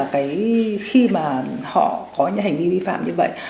khi họ có hành vi vi phạm như vậy